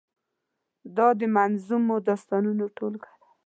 دا د منظومو داستانو ټولګه وه.